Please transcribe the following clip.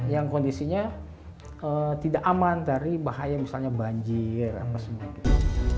yang kondisinya tidak aman dari bahaya misalnya banjir apa saja gitu